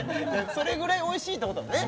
それぐらいおいしいってことだね